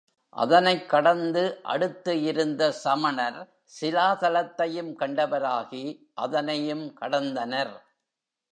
அதனைக் கடந்து அடுத்து இருந்த சமணர் சிலாதலத்தையும் கண்டவராகி அதனையும் கடந்தனர்.